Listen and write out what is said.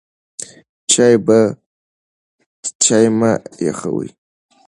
چای مه یخوئ.